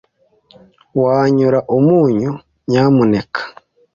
Wanyura umunyu, nyamuneka?